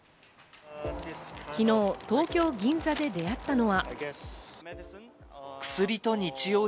昨日、東京・銀座で出会ったのは。